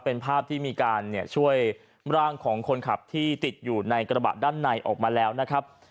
เป็นภาพที่มีการช่วยร่างของคนขับที่ติดอยู่ในกระบะด้านในออกมาแล้วนะครับ